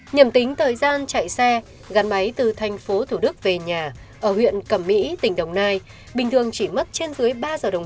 nhậm tính thời gian chạy xe gắn máy từ thành phố thủ đức về nhà ở huyện cẩm mỹ tỉnh đồng nai bình thường chỉ mất trên dưới ba giờ đồng